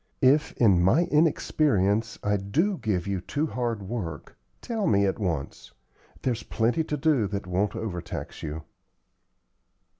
If, in my inexperience, I do give you too hard work, tell me at once. There's plenty to do that won't overtax you."